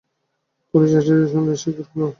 Police এসেছে শুনে সে গেট খুলল।